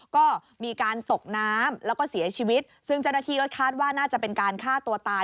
ก็มีการตกน้ำแล้วก็เสียชีวิตซึ่งเจ้าหน้าที่ก็คาดว่าน่าจะเป็นการฆ่าตัวตาย